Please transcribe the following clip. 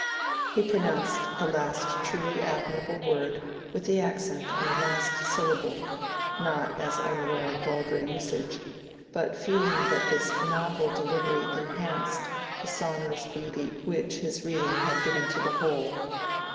He pronounced the last truly admirable word with the accent on the last syllable, not as unaware of vulgar usage, but feeling that this novel delivery enhanced the sonorous beauty which his reading had given to the whole.